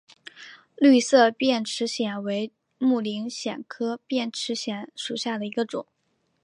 绿色变齿藓为木灵藓科变齿藓属下的一个种。